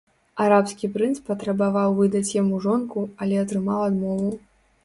Арабскі прынц патрабаваў выдаць яму жонку, але атрымаў адмову.